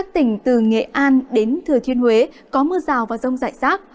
tỉnh từ nghệ an đến thừa thiên huế có mưa rào và rông rải rác